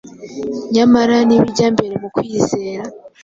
Nyamara nibajya mbere mu kwizera,